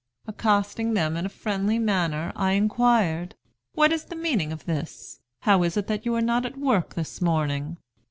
Accosting them in a friendly manner, I inquired, 'What is the meaning of this? How is it that you are not at work this morning?'